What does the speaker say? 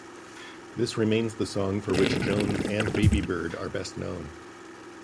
This remains the song for which Jones, and Babybird, are best known.